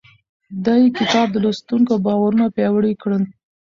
دې کتاب د لوستونکو باورونه پیاوړي کړل.